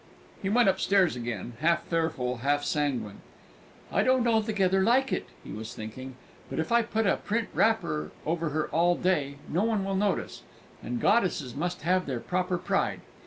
He went upstairs again, half fearful, half sanguine. "I don't altogether like it," he was thinking. "But if I put a print wrapper over her all day, no one will notice. And goddesses must have their proper pride.